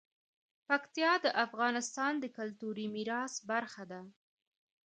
پکتیا د افغانستان د کلتوري میراث برخه ده.